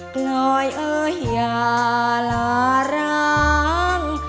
กล้อยเอ้ยอย่าละร้าง